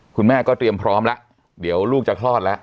คุณแม่ก็เตรียมพร้อมแล้วเดี๋ยวลูกจะคลอดแล้ว